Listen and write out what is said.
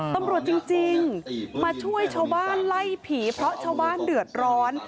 ตำรวจจริงมาช่วยชาวบ้านไล่ผีเพราะชาวบ้านเดือดร้อน